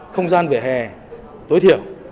không gian vỉa hè tối thiểu